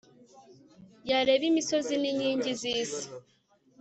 yareba imisozi n'inkingi z'isi